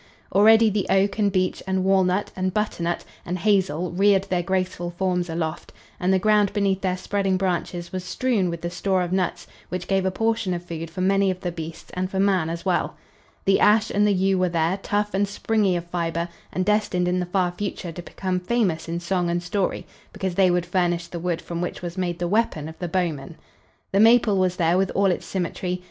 Already the oak and beech and walnut and butternut and hazel reared their graceful forms aloft, and the ground beneath their spreading branches was strewn with the store of nuts which gave a portion of food for many of the beasts and for man as well. The ash and the yew were there, tough and springy of fiber and destined in the far future to become famous in song and story, because they would furnish the wood from which was made the weapon of the bowman. The maple was there with all its symmetry.